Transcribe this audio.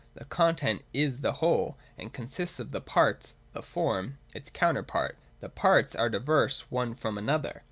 The content is the whole, and consists of the parts (the form), its counterpart. The parts are diverse one from another.